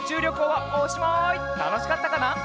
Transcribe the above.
たのしかったかな？